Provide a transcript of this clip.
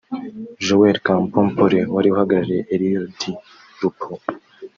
Joëlle Kampompolé wari uhagarariye Elio Di Rupo